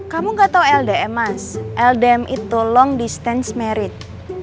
kamu gak tau ldm mas ldm itu long distance merit